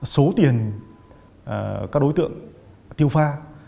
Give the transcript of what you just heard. số tiền các đối tượng tiêu pha